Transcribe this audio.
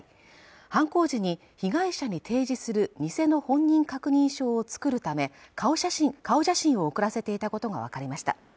犯行時に被害者に提示する偽の本人確認証を作るため顔写真を送らせていたことが分かりました